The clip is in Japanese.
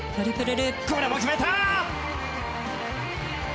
これも決めた！